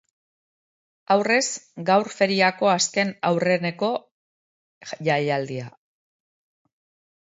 Aurrez gaur feriako azken aurrekeo jaialdia.